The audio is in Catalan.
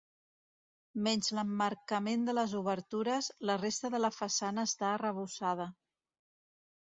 Menys l'emmarcament de les obertures, la resta de la façana està arrebossada.